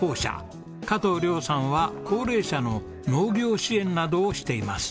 加藤僚さんは高齢者の農業支援などをしています。